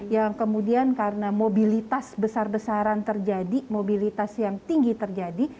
yang kemudian karena mobilitas besar besaran terjadi mobilitas yang tinggi terjadi